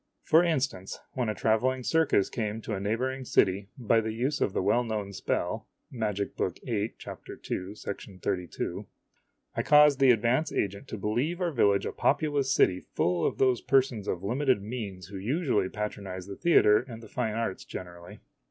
For instance, when a traveling circus came to a neighboring city, by the use of the well known spell (Magic Book VIII, chap, ii, 32) I caused the advance agent to believe our village a populous city full of those persons of limited means who usually patronize the theater and the fine arts generally.